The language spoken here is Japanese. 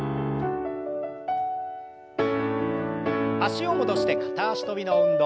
脚を戻して片脚跳びの運動。